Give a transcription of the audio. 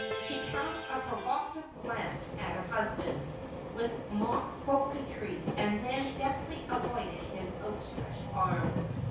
She cast a provocative glance at her husband, with mock coquetry, and then deftly avoided his outstretched arm.